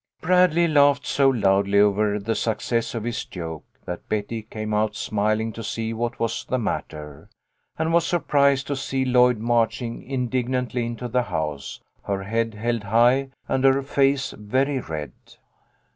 " Bradley laughed so loudly over the success of his joke, that Betty came out smiling to see what was the matter, and was surprised to see Lloyd marching indignantly into the house, her head held high and her face very red.